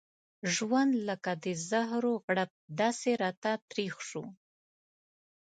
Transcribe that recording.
ژوند لکه د زهرو غړپ داسې راته تريخ شو.